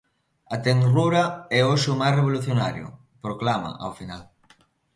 A tenrura é hoxe o máis revolucionario, proclama, ao final.